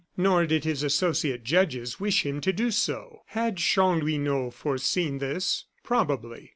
Nor did his associate judges wish him to do so. Had Chanlouineau foreseen this? Probably.